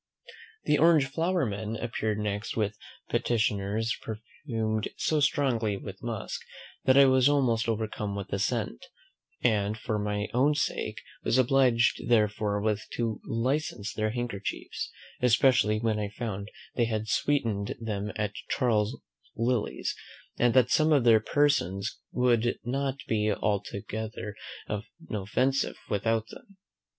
The orange flower men appeared next with petitions perfumed so strongly with musk, that I was almost overcome with the scent; and for my own sake was obliged forthwith to license their handkerchiefs, especially when I found they had sweetened them at Charles Lillie's, and that some of their persons would not be altogether inoffensive without them.